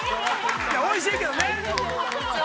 おいしいけどね。